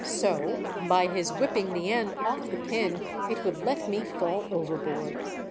SO, by his whipping the end off the pin It would let me fall overboard